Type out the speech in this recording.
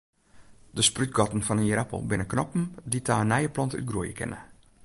De sprútgatten fan in ierappel binne knoppen dy't ta in nije plant útgroeie kinne.